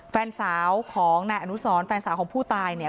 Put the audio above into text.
แฟนสาวของนายอนุสรแฟนสาวของผู้ตายเนี่ย